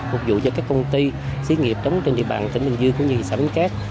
phục vụ cho các công ty xí nghiệp trống trên địa bàn tỉnh bình dương thị xã bến cát